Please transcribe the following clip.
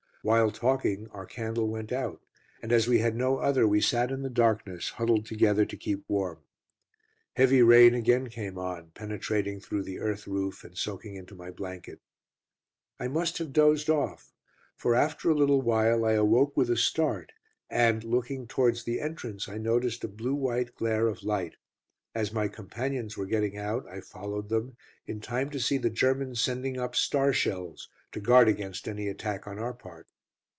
While talking our candle went out, and as we had no other we sat in the darkness, huddled together to keep warm. Heavy rain again came on, penetrating through the earth roof and soaking into my blanket. I must have dozed off, for after a little while I awoke with a start and, looking towards the entrance, I noticed a blue white glare of light. As my companions were getting out, I followed them, in time to see the Germans sending up star shells, to guard against any attack on our part.